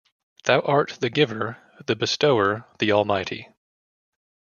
Thou art the Giver, the Bestower, the Almighty.